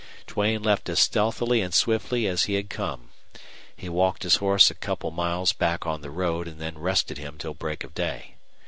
Duane left as stealthily and swiftly as he had come. He walked his horse a couple miles back on the road and then rested him till break of day.